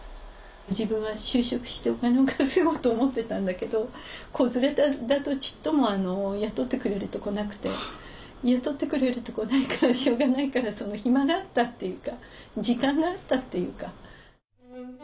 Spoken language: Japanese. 自分は就職してお金を稼ごうと思ってたんだけど子連れだとちっとも雇ってくれるとこなくて雇ってくれるとこないからしょうがないから暇があったっていうか時間があったっていうか。